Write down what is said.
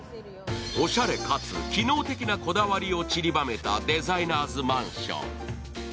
おしゃれかつ機能的なこだわりを散りばめたデザイナーズマンション。